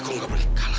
aku nggak boleh kalah